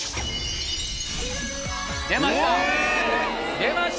出ました。